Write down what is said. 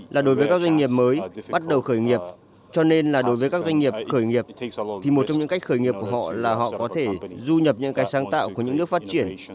là đối với các doanh nghiệp mới bắt đầu khởi nghiệp cho nên là đối với các doanh nghiệp khởi nghiệp thì một trong những cách khởi nghiệp của họ là họ có thể du nhập những cái sáng tạo của những nước phát triển